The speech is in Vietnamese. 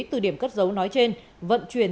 từ điểm cất dấu nói trên vận chuyển